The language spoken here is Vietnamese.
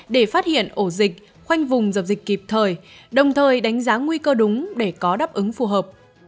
để phát hiện ổ dịch khoanh vùng dập dịch kịp thời đồng thời đánh giá nguy cơ đúng để có đáp ứng phù hợp